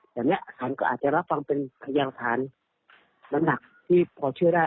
แต่เนี่ยสารก็อาจจะรับฟังเป็นพยานฐานน้ำหนักที่พอเชื่อได้